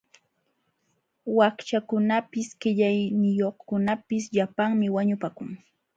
Wakchakunapis qillayniyuqkunapis llapanmi wañupakun.